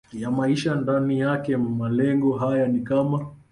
ya maisha ndani yake Malengo haya ni kama